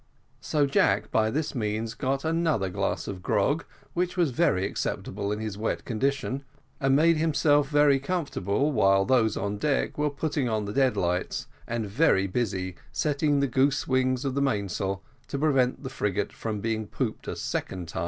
So Jack by this means got another glass of grog, which was very acceptable in his wet condition, and made himself very comfortable, while those on deck were putting on the dead lights, and very busy setting the goose wings of the mainsail, to prevent the frigate from being pooped a second time.